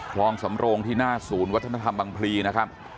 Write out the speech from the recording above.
คลองสำโรงที่หน้าศูนย์วัฒนธรรมบางพลีนะครับ